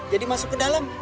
jadi masuk ke dalam